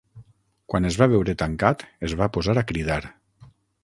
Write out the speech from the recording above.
Quan es va veure tancat, es va posar a cridar.